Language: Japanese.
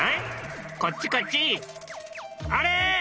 あれ！？